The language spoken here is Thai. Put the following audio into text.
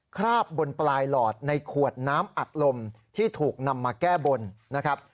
คราบบนปลายหลอดในขวดน้ำอัดลมที่ถูกนำมาแก้บนนะครับ